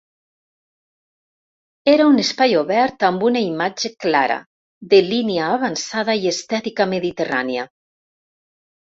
Era un espai obert amb una imatge clara, de línia avançada i estètica mediterrània.